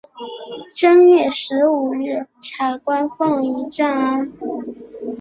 正月十五日彩棺奉移暂安。